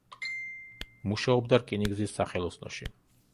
მუშაობდა რკინიგზის სახელოსნოში.